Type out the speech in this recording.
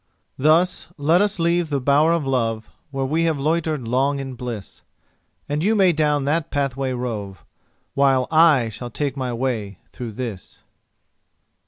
Thus let us leave the bower of love, Where we have loitered long in bliss; And you may down that pathway rove, While I shall take my way through this.